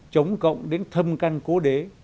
chống cộng đến thâm căn cố đế